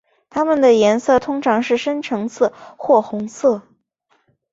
它们的颜色通常是深橙色或红色。